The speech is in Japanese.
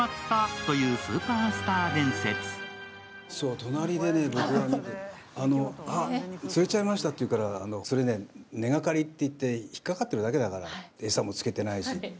隣で僕が見てて、釣れちゃいましたって言うからそれね、根がかりって言って、引っかかっているだけだから、エサもつけていないしって。